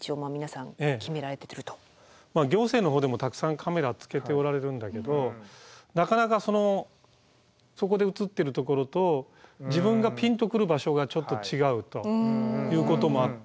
行政のほうでもたくさんカメラつけておられるんだけどなかなかそこで映ってるところと自分がピンと来る場所がちょっと違うということもあって。